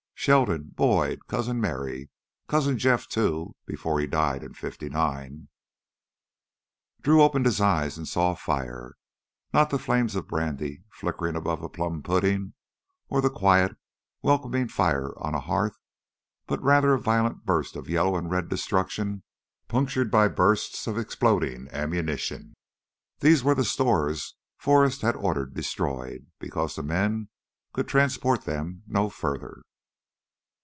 Sheldon, Boyd, Cousin Merry, Cousin Jeff, too, before he died back in '59. Drew opened his eyes and saw a fire, not the flames of brandy flickering above a plum pudding, or the quiet, welcoming fire on a hearth, but rather a violent burst of yellow and red destruction punctured by bursts of exploding ammunition. These were the stores Forrest had ordered destroyed because the men could transport them no further.